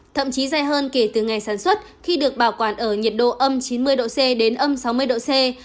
thậm chí dài hơn kể từ ngày sản xuất khi được bảo quản ở nhiệt độ âm chín mươi độ c đến âm sáu mươi độ c